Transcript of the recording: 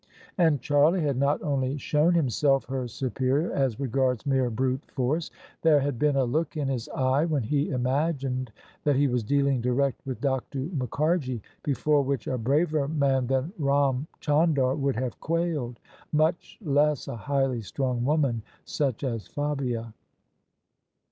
And Charlie had not only shown himself her superior as regards mere brute force : there had been a look in his eye when he imagined that he was dealing direct with Dr. Mukharji before which a braver man than Ram Chandar would have quailed: much less a highly strung woman such as Fabia.